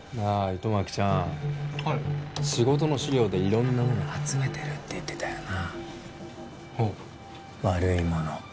あ糸巻ちゃんはい仕事の資料でいろんなもの集めてるって言ってたよなはあ悪いもの